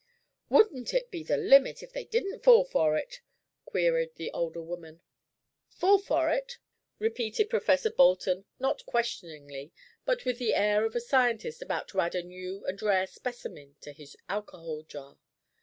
"Wouldn't it be the limit if they didn't fall for it?" queried the older woman. "Fall for it," repeated Professor Bolton, not questioningly, but with the air of a scientist about to add a new and rare specimen to his alcohol jar.